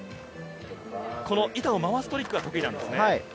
板を回すトリックが得意なんですね。